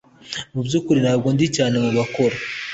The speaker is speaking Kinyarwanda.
Mubyukuri ntabwo ndi cyane mubakora